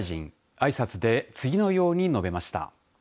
あいさつで次のように述べました。